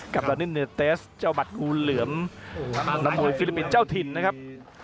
กับตอนนี้เนียเตสเจ้าบัตรกูเหลือมนับโมยฟิลิปินเจ้าถิ่นนะครับ